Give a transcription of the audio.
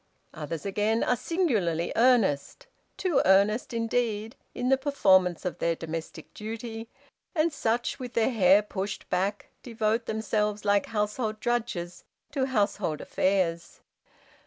"Others, again, are singularly earnest too earnest, indeed in the performance of their domestic duty; and such, with their hair pushed back, devote themselves like household drudges to household affairs.